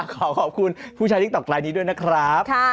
ขอขอบคุณผู้ใช้ติ๊กต๊ลายนี้ด้วยนะครับ